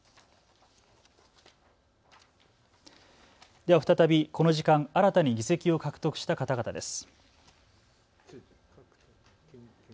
では再びこの時間新たに議席を獲得した方々です。